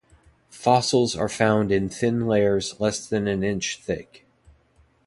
Fossils are found in thin layers less than an inch thick.